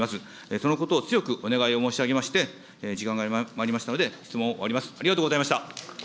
そのことを強くお願いを申し上げまして、時間がまいりましたので質問を終わります。